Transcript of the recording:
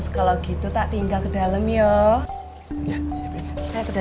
kalau gitu tak tinggal ke dalam yuk